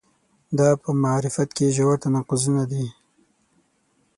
دا په معرفت کې ژور تناقضونه دي.